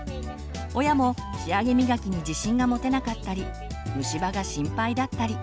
親も仕上げみがきに自信が持てなかったり虫歯が心配だったり。